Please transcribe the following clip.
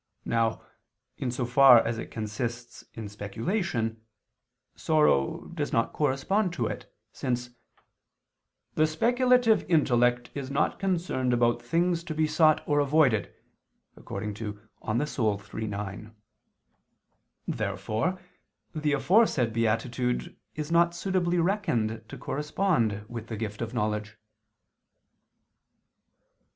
Now, in so far as it consists in speculation, sorrow does not correspond to it, since "the speculative intellect is not concerned about things to be sought or avoided" (De Anima iii, 9). Therefore the aforesaid beatitude is not suitably reckoned to correspond with the gift of knowledge.